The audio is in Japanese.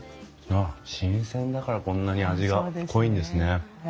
ああ新鮮だからこんなに味が濃いんですね。